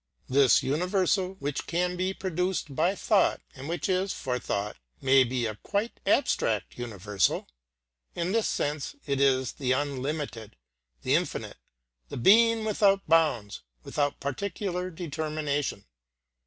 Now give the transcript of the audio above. This universal which can be produced by thought, and which is for thought, may be a quite abstract universal. In this sense it is the unlimited, the infinite, the being without bounds, without particular determination.